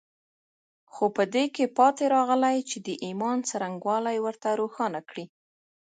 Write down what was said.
خو په دې کې پاتې راغلي چې د ايمان څرنګوالي ورته روښانه کړي.